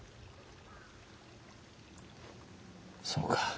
そうか。